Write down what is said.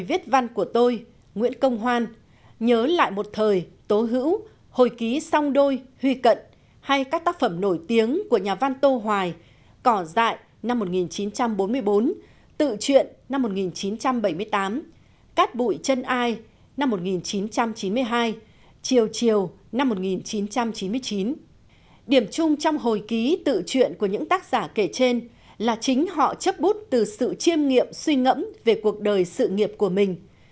điểm chung trong hồi ký tự truyện của những tác giả kể trên là chính họ chấp bút từ sự chiêm nghiệm suy ngẫm về cuộc đời sự nghiệp của mình